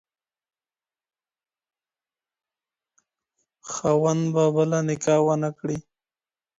خاوند به بله نکاح ونکړي.